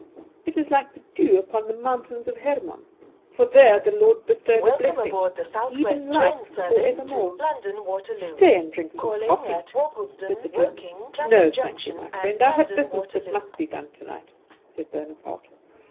It is like the dew upon the mountains of Hermon; for there the Lord bestowed a blessing, even life for evermore." "Stay and drink some coffee," said the German. "No, thank you, my friend; I have business that must be done tonight," said Bonaparte.